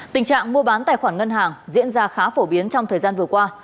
tình trạng mua bán tài khoản ngân hàng diễn ra khá phổ biến trong thời gian vừa qua